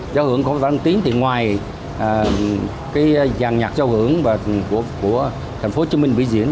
giao hưởng của võ đăng tín thì ngoài cái dàn nhạc giao hưởng của thành phố hồ chí minh bị diễn